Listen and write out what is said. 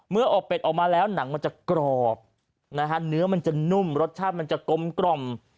เมื่ออบเป็ดออกมาแล้วหนังมันจะกรอบเนื้อมันจะนุ่มรสชาติมันจะกลม